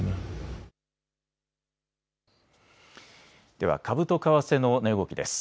では株と為替の値動きです。